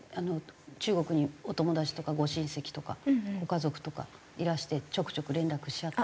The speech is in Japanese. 中国にお友達とかご親戚とかご家族とかいらしてちょくちょく連絡し合って。